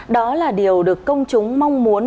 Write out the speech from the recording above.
đó là điều được công chúng mong muốn